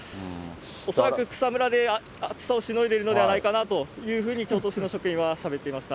恐らく草むらで暑さをしのいでいるのではないかなというふうに、京都市の職員はしゃべっていました。